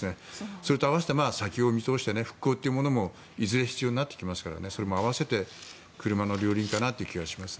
それと合わせて先を見通して復興というものもいずれ必要になってくるので併せて車の両輪かなという気がします。